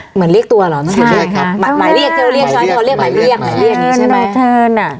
เหมือนเรียกตัวเหรอใช่ครับใช่ครับหมายเรียกเขาเรียกเขาเรียกหมายเรียกหมายเรียกใช่ไหมเชิญอ่ะ